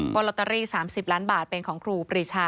ลอตเตอรี่๓๐ล้านบาทเป็นของครูปรีชา